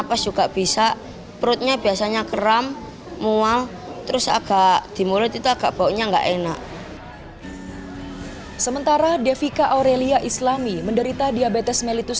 agak timur itu agak baunya nggak enak sementara defika aurelia islami menderita diabetes melitus